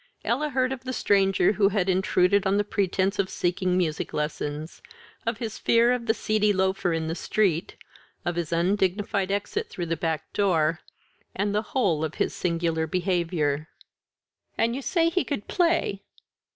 Ella heard of the stranger who had intruded on the pretence of seeking music lessons: of his fear of the seedy loafer in the street; of his undignified exit through the back door; and the whole of his singular behaviour. "And you say he could play?"